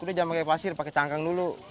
udah jangan pakai pasir pakai cangkang dulu